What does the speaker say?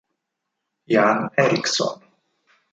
Jan Eriksson